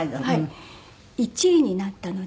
１位になったので。